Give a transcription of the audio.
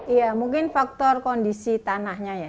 iya mungkin faktor kondisi tanahnya ya